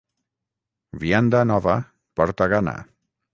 Vianda nova porta gana.